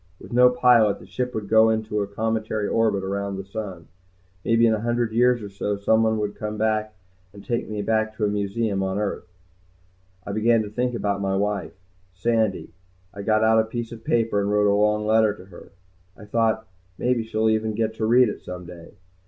With no pilot, the ship would go into a cometary orbit around the sun. Maybe in a hundred years or so someone would come and take me back to a museum on earth. I began to think about my wife, Sandy. I got out a piece of paper and wrote a long letter to her. I thought, maybe she'll even get to read it some day.